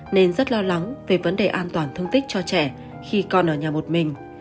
nên rất lo lắng về vấn đề an toàn thương tích cho trẻ khi con ở nhà một mình